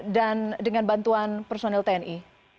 dan dengan bantuan personil tni